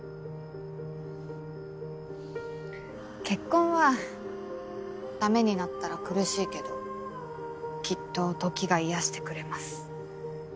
結婚は駄目になったら苦しいけどきっと時が癒やしてくれます。